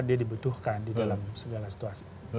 dia dibutuhkan di dalam segala situasi